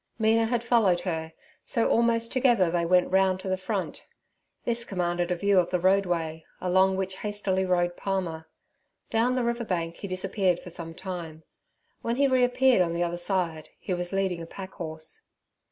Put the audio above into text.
Mina had followed her, so almost together they went round to the front; this commanded a view of the roadway, along which hastily rode Palmer. Down the river bank he disappeared for some time; when he reappeared on the other side he was leading a pack horse.